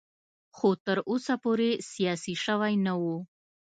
خو تر اوسه پورې سیاسي شوی نه و.